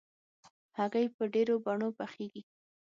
هګۍ په ډېرو بڼو پخېږي.